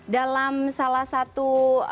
dalam salah satu